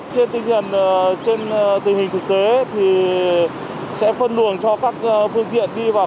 trên tình hình thực tế thì sẽ phân luồng cho các phương tiện đi vào